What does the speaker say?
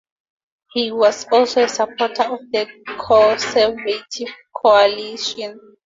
He was also a supporter of the Conservative coalition.